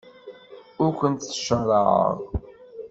Ur kent-ttcaṛaɛeɣ.